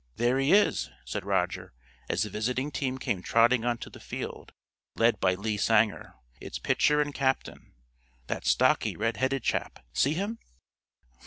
"There he is," said Roger, as the visiting team came trotting onto the field, led by Lee Sanger, its pitcher and captain, "that stocky, red headed chap. See him?"